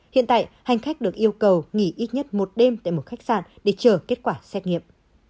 hiện tại hành khách được yêu cầu nghỉ ít nhất một đêm tại một khách sạn để chờ kết quả xét nghiệm